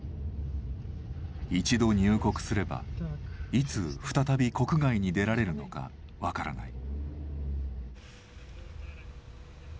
一度入国すればいつ再び国外に出られるのか分からない。